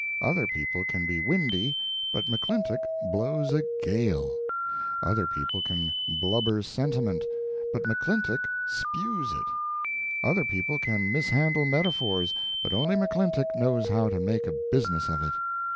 Other people can be windy, but McClintock blows a gale; other people can blubber sentiment, but McClintock spews it; other people can mishandle metaphors, but only McClintock knows how to make a business of it.